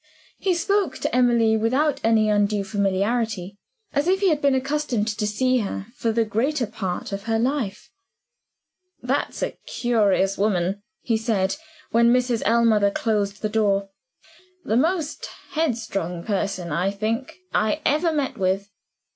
He spoke to Emily (without any undue familiarity) as if he had been accustomed to see her for the greater part of her life. "That's a curious woman," he said, when Mrs. Ellmother closed the door; "the most headstrong person, I think, I ever met with.